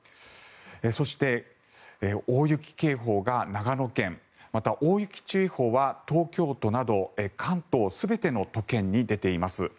そして、大雪警報が長野県また、大雪注意報は東京都など関東全ての都県に出ています。